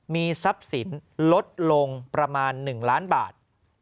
มีทรัพย์สินลดลงประมาณ๑ล้านบาท